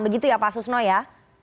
begitu ya pak susno ya